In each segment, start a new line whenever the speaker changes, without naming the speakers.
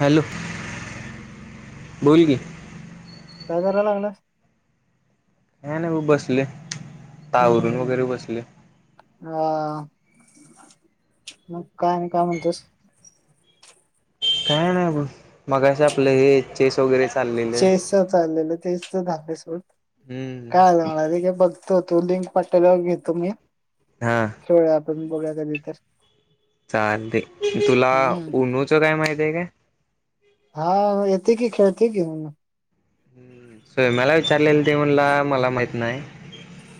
Hello
काय
बोल की
करायला लागलाय
ह नाही बसले
हम्म हम्म
तावरून वगैरे
हम्म
बसले
हा मग काय नाही काय म्हणतोस
काय नाही मगं आपलं हे चेस वगैरे चाललेले आहे
चेसच चाललेलं तेच तर बलेस काय आलं मला ते काय बघतो तो लिंक पाठालावर घेतो मी
हा
खेवया आपण बघया कधी तर
चाल तुला
हम्म
उनूचं काय माहिती आहे का
हा येत की खेळती की म
हम्म स्वम्याला विचारलेलं देवनला मला माहत नाही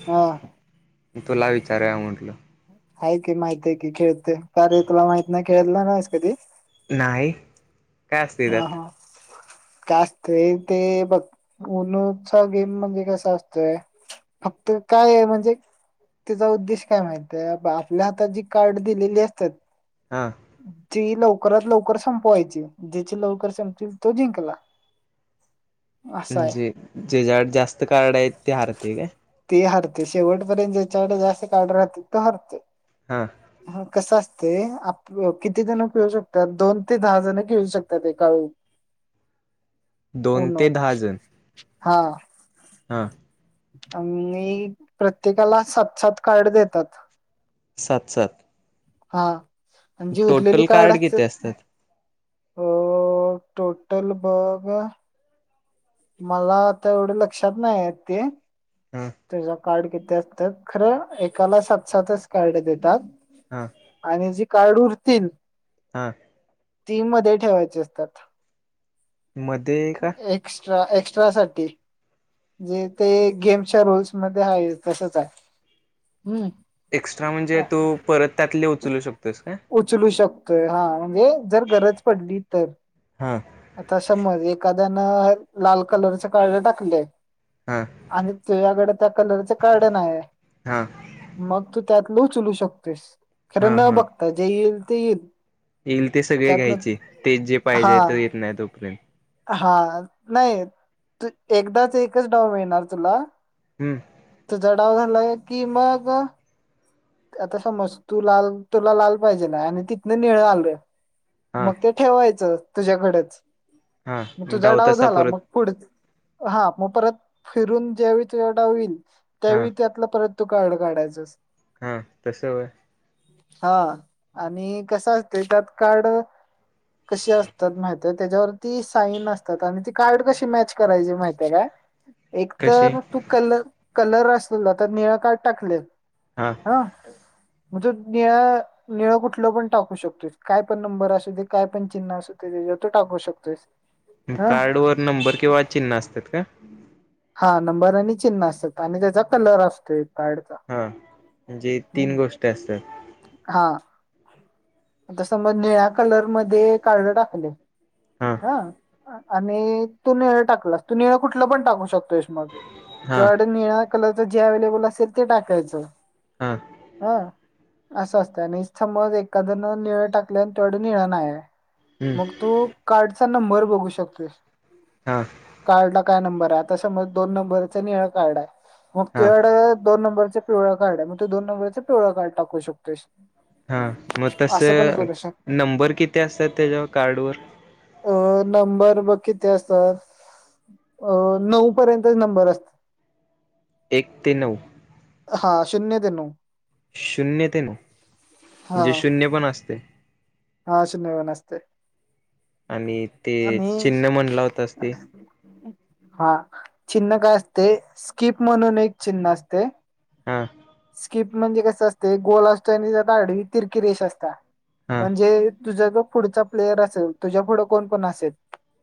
हा
तुला विचाराय म्हटलं
आहे की माहित आहे की खेळते कारे तुला माहित नाही खेळलं नास कधी
नाही काय असते त्यात
का असतय ते बघ नूचा गेम म्हणजे कसा असतोय फक्त काय आहे म्हणजे त्याचा उद्देश काय माहित आहे आपल्या हात जी कार्ड दिलेली असतात
हा.
ती लवकरात लवकर संपवायची ज्याची लवकर संपतील तो जिंकला. असा आहे
जे जेज्याड जास्त कार्ड आहेत ते हारतय काय?
ते हरते शेवटपर्यंत जेच्या कड जास्त कार्ड राहत्यात तो हरतोय.
हां.
कसं असतय आप किती जण खेळू शकत्यात दोन ते दहा जणं खेळू शकतात ए काळू.
दोन ते दहा जण.
हां.
हां.
आनी प्रत्येकाला सात सात कार्ड देतात.
सात सात.
हां मजी
टोटल
उरलेली कार्ड अस
किती असतात
हो टोटल भाग मला आता एवढ लक्षात नाहीयेत ते.
हा
तुझं कार्ड किती असत्यात खरं एकाला सात सातच कार्ड देतात.
हा
आणि जी कार्ड उरतील
हा.
ती मधे ठेवायची असतात.
मधे का?
रा एक्स्ट्रा साठी. जे ते गेमच्या रूल्समध्ये हायच तसच हाय.
एक्स्ट्रा म्हणजे तू परत त्यातले उचलू शकतोस काय?
उचलू शकतोय हा म्हणजे जर गरज पडली तर
हा.
आता समज एका त्यान लाल कलरचं कार्ड टाकलय.
हा
आणि तुयाकड त्या कलरच कार्ड नाय हाय
हा
मग तू त्यातल उचलू शकतेोस खरं
हा
न
हा
बघता जे येईल ते येईल.
येईल ते सगळे
त्यातनं
घ्यायचे तेच जे पाहिजे तर येत नाही तोपर्यंत.
हां नाही त एकदाच एकच डाव मिळणार तुला.
हम्म.
तुझा डाव झालाय की मग. आता समज तू लाल तुला लाल पाहिजेल हाय आणि तिथनं निळ आलं.
हा
मग ते ठेवायचं तुझ्याकडच.
हा
म तुझा डाव
तसा
झाला
परत
मग पुढं हा मग परत फिरून ज्यावेळी तुझ्याव डाव ईल
हा
त्यावेळी त्यातलं परत तू कार्ड काढायचस.
हां तसं होय.
हां आणि कसं असतय त्याात कार्ड कशी असतात माहित्या तेज्यावरती साईन असतात आणि ती कार्ड कशी मॅच करायची माहित्या काय? एक
कसे
तर तू कलर कलर असलेलं आता निळा कार्ड टाकलय. हा. म्हणजे निळा निळ कुठलं पण टाकू शकतोयस काय पण नंबर असू दे काय पण चिन्ह असुदे. ते तू टाकू शकतोयस. हं
कार्डवर नंबर किंवा चिन्ह असत्यात का?
हा नंबर आणि चिन्ह असत्यात आणि त्याचा कलर असतोय. कार्डचा
हा म्हणजे तीन
हम्म
गोष्टी असतात
हां. आता समज निळ्या कलर मध्ये कार्ड टाकलंय.
हा
हां आणि तू निळ टाकलास तू निळ कुठलं पण टाकू शकतो. मग
हा
निळ्या कलरचं जे अव्हेलेबल असेल ते टाकायचं.
हा
हां. असं असतं आणि समज एखाद्यान निळ टाकल्या आणि तेवढं निळ नाहीय
हम्म
मग तू कार्डचा नंबर बघू शकत
हा
कार्ड ला काय नंबर त दोन नंबरचा निड मग
हा
दोन नंबर च पिवळ कार्ड आहे मग ते दोन नंबरच पिवळ कार्ड टाकू शकतोस.
हा मग तस
असं पण करू शकतो
नंबर किती असतात त्याच्या कार्डवर
अ नंबर बघ किती असतात. अ नऊ पर्यंतच नंबर अस
एक ते नऊ
हा शिन्य ते नऊ.
शून्य ते ना
हा
जे शून्य पण असते.
हा शून्यव न असते.
आणि ते
आणि
चिन्ह म्हणला होतास ते?
हा चिन्ह काय असते स्कीप म्हणून एक चिन्ह असते
हम्म.
स्किप म्हणजे कसं असते गोल असतो आणि ज आडवी तिरकी रेश असता
हा
म्हणजे तुझ पुढचा प्लेयर असेल तुझ्या पुुढं कोण कोण असेल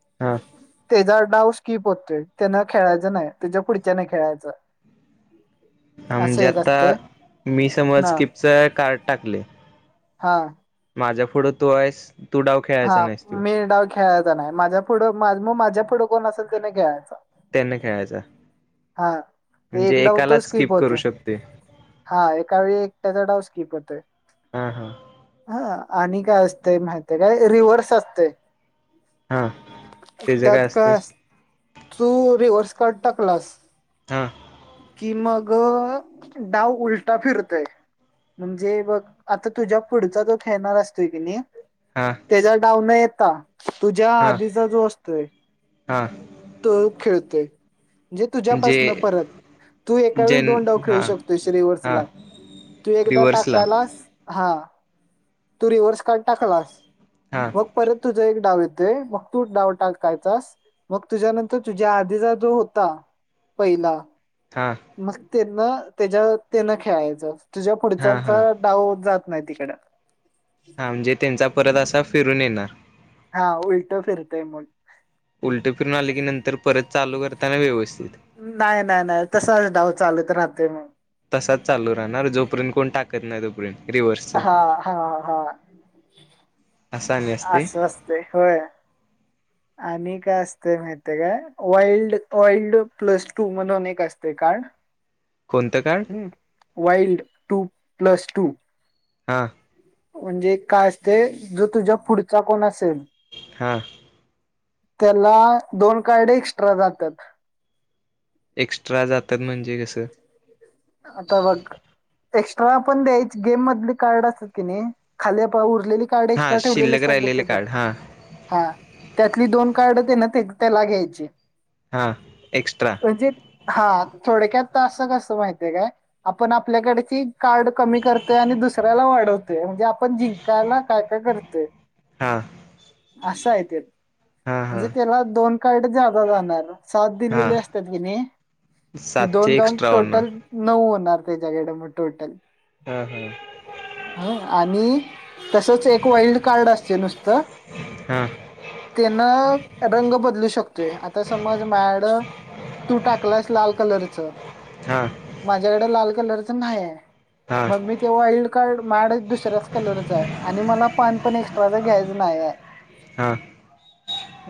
हा
त्याचा डाऊ स्कीप होतोय त्यांना खेळायचं नाही त्याच्या पुढच्या ने खेळायचं असं
म्हणजे
एक
आता
असते
मी समज
हा
किपच कार्ड टाकले
हा.
माझ्या पुढं तो आहेस तू डाव
हा
खेळायचा नाहीस तू
मे डाव खेळायचा नाही माझ्या पुढं मग माझ्या पुढं कोण असेल ते न खेळायचा
त्यांनी खेळायचा.
हा एक
म्हणजे
डाव तो
एकालाच
स्किप होत
करू शकते
हा एका वेळी एकट्याचा डाव स्किप होतोय.
हम्म हम्म.
हा आणि काय असते माहितीय काय रिव्हर्स असते
हा त्याच
त्यात
असते
काय अस तू रिव्हर्स कार्ड टाकलास
हा.
कि मग डाव उलटा फिरतय म्हणजे बघ आता तुझ्या पुढचा तो खेळणार असतोय की नी
हा
त्याच्या डाऊ न येता तुझ्या
हा
आधीचा जो असतोय
हा
तो खेळतोय. म्हणजे
जे
तुझ्यापासन परत तू एका वेळी
जेन
दोन डाव
हा
खेळू शकतोय
हा
रिवर्सला तू एकदा
रिव्हर्सला
टाकायलास हा. तू रिव्हर्स का टाकलास
हा
मग परत तु एक डाव येतय मग तू डाव टाककायचास मग तुझ्यानंतर तुझ्या आधीचा जो होता पहिला
हा.
ना त्याच्या त्यांना खेळायचं तुझ्या
हा
पुढच्याचा
हा
डाव जात नदीकड.
हा म्हणजे त्यांचा परत असा फिरून येणार
हा उलटो फिरतोय मग
उलटे फिरून आले की नंतर परत चालू करताना व्यवस्थित
नाही नाही नाही तसाच डाव चालत राहते मग
तसाच चालू राहणार जोपर्यंत कोण टाकत नाही तोपर्यंत रिव्हर्सच
हा हा हा
असं आणि असते
अस वास्त होय आणि काय असते माहिितय काय वाइल्ड वइल्ड प्लस टू म्हणून एक असते कार्ड
कोणतं कार्ड
हम वाईल्ड टू प्लस टू
हा.
म्हणजे काय असते जो तुझ्या पुढचा कोण असेल
हा.
त्याला दोन कार्ड एक्स्ट्रा जात्यात.
एक्स्ट्रा जातात म्हणजे कसं
आता बग एक्स्ट्रा पण द्यायची गेम मधले कार्ड असतात की नाही खाली उरलेली कार्ड
हा
एक्स्ट्रा ठेवलेली
शिल्लक
असतात बग
राहिलेले कार्ड हा
तिथं, त्यातली दोन कार्ड तेन ते त्याला घ्यायची.
हा एक्स्ट्रा
म्हणजे हा थोडक्यात असं कसं माहित काय आपण आपल्याकडची कार्ड कमी करतोय आणि दुसऱ्याला वाढवतो. म्हणजे आपण जिंकायला काय काय करतोय.
हा.
असं आहे ते
हा
म्हणजे
हा
त्याला दोन कार्ड जादा जाणार. सात
हा
दिलेली असतात की नाही ही दोन
सातशे
जाऊन
एक्स्ट्रा होणार
टोटल होणार त्याच्याकडे म टोटल
हा
आणि तसच एक वाईल्ड कार्ड असते नुसतं
हा
त्यांना रंग बदलू शकतोय आता समज माझ्याकड तू टाकलायस लाल कलरच
हा
माझ्याकडे लाल कलरच नाहीय.
हा
मग मी ते वाईल्ड कार्ड माझ्याकड पणदुसऱ्याच कलरच आहे आणि मला पान पण एक्स्ट्राचा घ्यायचं नाही. आहे.
अ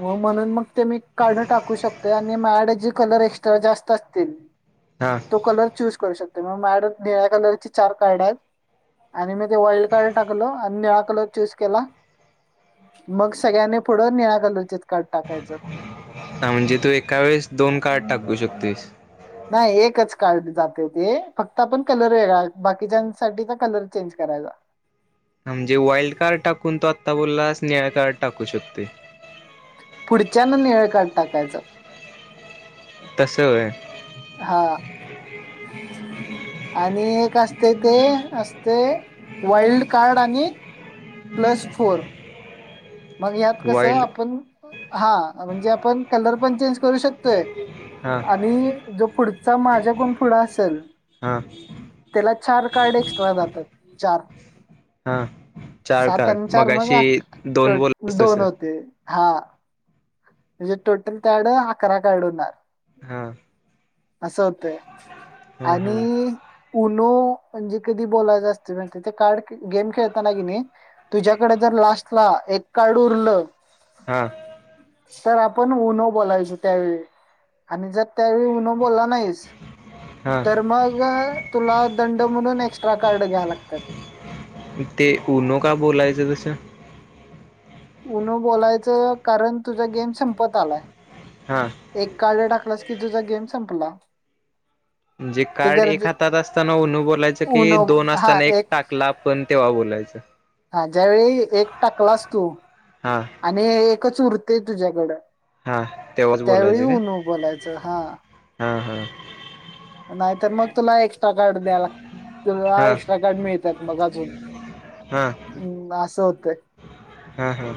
हो म्हणून मग ते मी कार्ड टाकू शकतोय आणि माझ्याकड कलर एक्स्ट्रा जास्त असतील.
हा
तो कलर चूज करू शकतो मग मॅड निळ्या कलरची चार कार्ड आहेत. आणि मी ते वाईल्ड कार्ड टाकलो आणि निळा कलर चूस केला. मग सगळ्यांनी पुढं निळा कलर
ह म्हणजे तू एका वेळेस दोन कार्ड टाकू शकतोस.
नाही एकच कार्ड जाते ते फक्त आपण कलर वेगळा बाकीच्यासाठी तर कलर चेंज करायचा.
म्हणजे वाईल्ड कार्ड टाकून तो आत्ता बोलला स् निळा कार्ड टाकू शकतोस.
पुढच्यान निळ काढ टाकायच.
तसं होय.
हा. आणि एक असते ते असतय वाईल्ड कार्ड आणि प्लस फोर मग यात कस
वाईल्ड
आपण हा म्हणजे आपण कलर पण चेंज करू शकतोय
हा
आणि जो पुढचा माझ्या कोण पुढं असेल
हा
त्याला चार कार्ड एक्स्ट्रा जातात चार
हा चार
सात
कार्ड
आणि चार मग
मगाशी दोन बोललास
दोन
तसं
होते हा म्हणजे टोटल त्याड अकरा का आड होणार.
हा.
असं होतय
हा हा
आणि पण तु म्हणजे कधी बोलायचं असतंय माहिती गेम खेळताना तुझ्याकडे जर लाल एक कार्ड उरलं
हा.
तर आपण उन्ह बोलायचो त्यावेळी आणि जर त्यावेळी उन्हो बोलला नाहीस
हा
तर मग तुला दंड म्हणून एक्स्ट्रा कार्ड घ्या लागतात.
ते उनो का बोलायच तस
उनू बोलायचं कारण तुझा गेम संपत
हा
आलाय एक कार्ड टाकलास की तुझा गेम संपला
म्हणजे
ते
कार्ड एक
गरजे
हातात असताना नू बोलायचं की
उनो
दोन
हा
असताना एक टाकला आपण तेव्हा बोलायचं
हा ज्यावेळी एक टाकलास तू
हा
आणि एकच उरते तुझ्याकडं
हा तेव्हाच
त्यावेळी
बोलायचं काय
उऊनू बोलायचं हा
हा हा
नाहीतर मग तुला एक्स्ट्रा कार्ड द्या लाग तुला
हा
एक्स्ट्रा कार्ड मिळतात मग अजून
हा
हम् असं होतंय
हां हां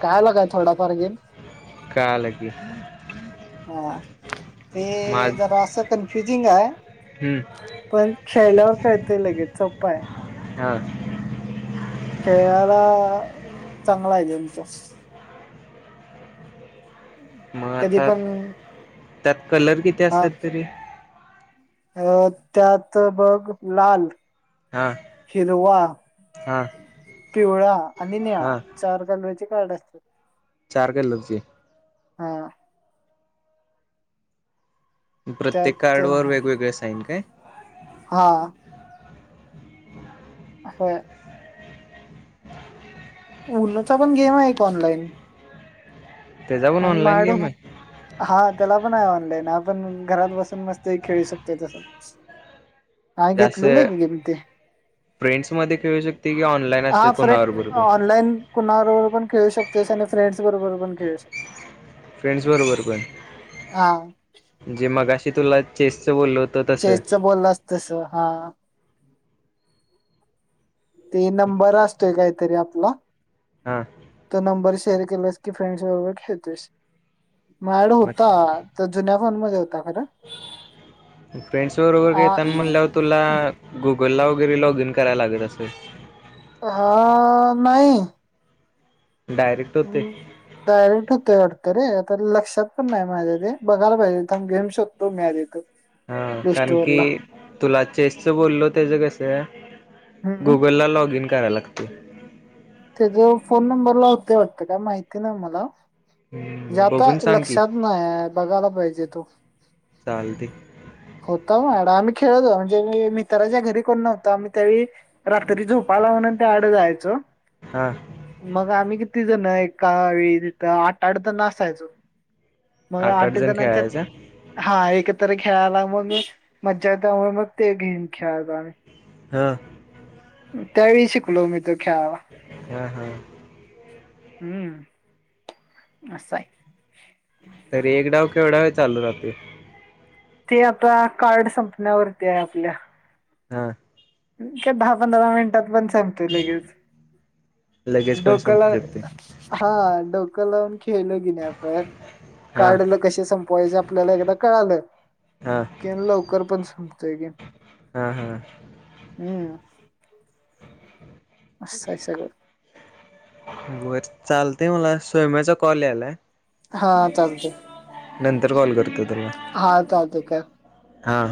कायला काय थोडाफार गेल
कायल
हा ते जरा असं कन्फ्युजिंग आहे
हम्म
पण खेळल्यावर कळतेय लगेच सोप्पाय
हा
खेळायला चांगला आहे गेमच
मग
कधी
आता
पण
त्यात कलर किती
हा
असतात तरी
अ त्यात बघ लाल
हा
हिरवा
हा
पिवळा आणि निळा
हा
चार कलव्याचे काड असतात
चार कलोची
हा
प्रत्येक
त्यात
कार्ड वर वेगवेगळे साईन काय
हा अं उल्हाचा पण गेम आहे का ऑनलाइन
त्याचा पण
अ
ऑनलाईन गेम
म
आहे
हा तेला पण आहे ऑनलाईन आपण घरात बसून मस्त खेळू शकतो तस हा
जास्त
घेतलेला ग गमती
फ्रेंड्स मध्ये खेळू शकते की ऑनलाईन असते
हा फरे
कोणावर बरोबर
ऑनलाईन कुणार पण खेळू शकतेोस आणि फ्रेंड्स बरोबर पण खेळू शकतेस
फ्रेंड्स बरोबर पण म्हणजे मगाशी तुला चेस च बोलल
चेजचं बोललं असतस हा ते नंबर असतोय काहीतरी आपला
हा
तो नंबर शेअर के की फ्रेंडस वरे खळतेोस मायड
मग
होता तर जुन्या फोन मध्ये होता खरं
फ्रेंड्स बरोबर घता
आ-
म्हणल्या तुला गु गोल््हावगैरी लॉग इन करायला लागल असे
हा नाही
डायरेक्ट होते
हम् डायरेक्ट होते वाट तरे आता लक्षात पण नाही माझ्या ते बघायला पाहिजेथ घेऊ शोधतो मी आधीथून
हा कारण की तुला चेसच बोललो त्याच कसं
हम्म
गुगलला लॉग इन कराय लागते
त्याचा फोन नंबरला होते वाटतं का माहिती ना मला म्हणजे
हम्म,
आता
बघून सांग की
लक्षात नाही बघायला पाहिजे तो
चालते
होता मायकड आम्ही खेळत होतो म्हणजे मित्रा ज्या घरी कोण नव्हता आम्ही त्याळी रात्री झोपाला म्हणून त्यायाकडे जायचो!
हा
मग आम्ही कि किती जण, एका वेळी तिथं आठ आड तर असायचो. मग आठ जणांच्यात हा एकत्र खेळायला मग म मज्जा येत त्यामुळे मग ते गेम खेळतो आम्ही.
हा.
त्या वेळी शिकलो मि तर खेळायला.
हां हां.
हम्म अस आहे.
तरी एक डाव केवढा वेळ चालू राहतोय?
ते आता कार्ड संपण्यावरती आहे आपल्या.
हा.
दहा पंधरा मिनिटात पण संपतोय लगेच.
लगेच पण
डोक्याला
संपू शकते
हा डोकं लावून खेळलो की नाय आपण
हा
कार्डला कसे संपवायच आपल्याला एकदा कळालं
हा
कि लवकर पण संपतोय गेम.
हा हा
हम असय सगळ.
बर चालतेय मला स्वयमा्याचा कॉल यायलाय!
हा चालतय,
नंतर कॉल करतो तुला
हा चालतंय.
हा.